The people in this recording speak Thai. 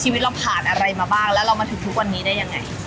ชีวิตเราผ่านอะไรมาบ้างแล้วเรามาถึงทุกวันนี้ได้ยังไง